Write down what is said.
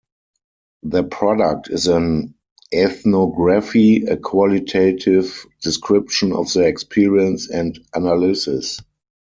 Their product is an ethnography, a qualitative description of their experience and analyses.